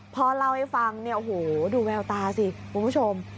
พอเล่าให้ฟังดูแววตาสิคุณผู้ชม